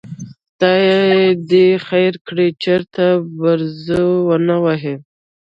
خدای دې خیر کړي، چېرته بړز ونه وهي.